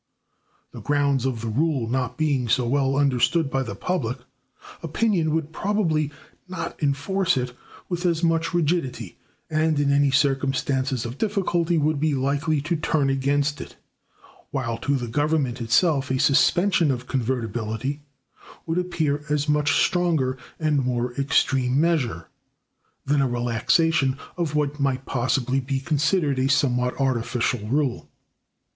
The grounds of the rule not being so well understood by the public, opinion would probably not enforce it with as much rigidity, and, in any circumstances of difficulty, would be likely to turn against it; while to the Government itself a suspension of convertibility would appear a much stronger and more extreme measure than a relaxation of what might possibly be considered a somewhat artificial rule.